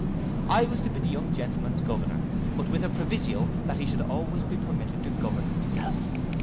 I was to be the young gentleman's governor, but with a proviso that he should always be permitted to govern himself.